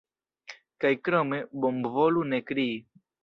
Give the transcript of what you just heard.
Kaj krome, bonvolu ne krii.